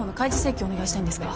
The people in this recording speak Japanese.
お願いしたいんですが。